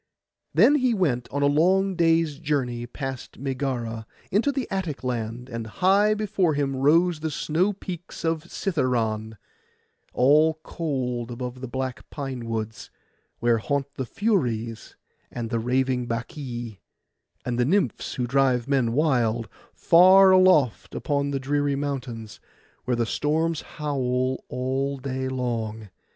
Then he went a long day's journey, past Megara, into the Attic land, and high before him rose the snow peaks of Cithæron, all cold above the black pine woods, where haunt the Furies, and the raving Bacchæ, and the Nymphs who drive men wild, far aloft upon the dreary mountains, where the storms howl all day long.